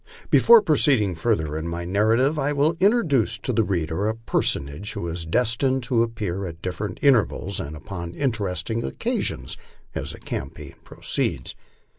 Before proceeding further in my narrative I will introduce to the reader a personage who is destined to appear at different intervals, and upon interesting occasions, as the campaign proceeds.